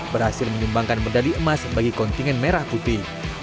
berhasil menyumbangkan medali emas bagi kontingen merah putih